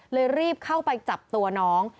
รีบเข้าไปจับตัวน้อง